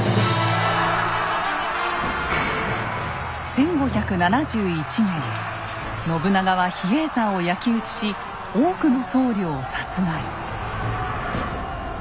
１５７１年信長は比叡山を焼き打ちし多くの僧侶を殺害。